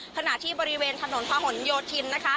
ขณะที่บริเวณถนนพะหนโยธินนะคะ